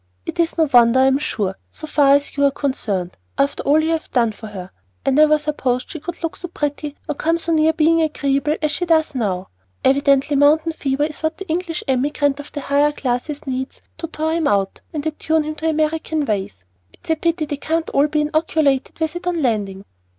It is no wonder, I am sure, so far as you are concerned, after all you have done for her. I never supposed she could look so pretty or come so near being agreeable as she does now. Evidently mountain fever is what the English emigrant of the higher classes needs to thaw him out and attune him to American ways. It's a pity they can't all be inoculated with it on landing.